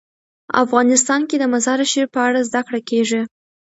افغانستان کې د مزارشریف په اړه زده کړه کېږي.